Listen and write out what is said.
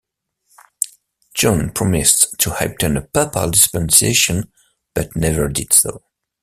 John promised to obtain a papal dispensation, but never did so.